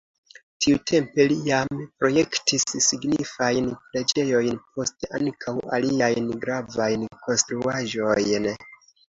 Tiutempe li jam projektis signifajn preĝejojn, poste ankaŭ aliajn gravajn konstruaĵojn.